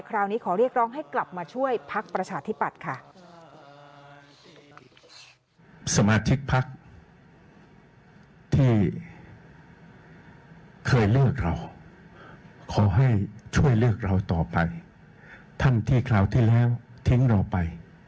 คราวนี้ขอเรียกร้องให้กลับมาช่วยพักประชาธิปัตย์ค่ะ